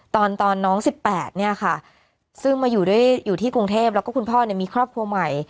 ตอนน้อง๑๘เนี่ยค่ะซึ่งมาอยู่ด้วยอยู่ที่กรุงเทพแล้วก็คุณพ่อมีครอบครัวใหม่